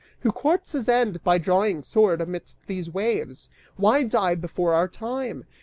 who courts his end By drawing sword amidst these waves? Why die before our time?